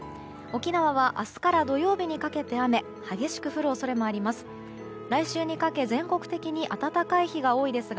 沖縄は明日から土曜日にかけて雨激しく降る恐れもあります。